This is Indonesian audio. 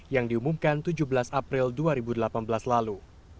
yang diumumkan tujuh belas april dua ribu delapan belas lalu